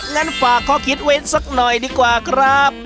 งั้นฝากข้อคิดเว้นสักหน่อยดีกว่าครับ